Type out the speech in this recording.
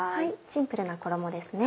シンプルな衣ですね。